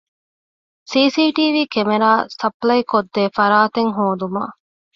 ސި.ސީ.ޓީވީ ކެމެރާ ސަޕްލައިކޮށްދޭ ފަރާތެއް ހޯދުމަށް